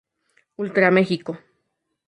Ultra Mexico